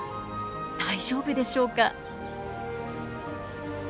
大丈夫でしょうか。